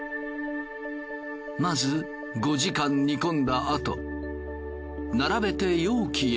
まず５時間煮込んだあと並べて容器へ。